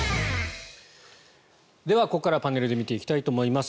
ではここからパネルで見ていきたいと思います。